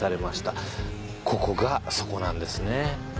ここがそこなんですね。